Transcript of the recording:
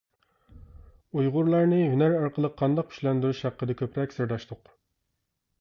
ئۇيغۇرلارنى ھۈنەر ئارقىلىق قانداق كۈچلەندۈرۈش ھەققىدە كۆپرەك سىرداشتۇق.